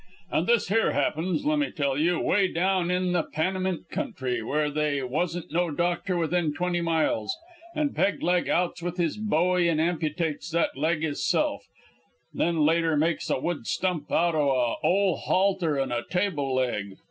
And this here happens, lemme tell you, 'way down in the Panamint country, where they wasn't no doctor within twenty miles, and Peg leg outs with his bowie and amputates that leg hisself, then later makes a wood stump outa a ole halter and a table leg.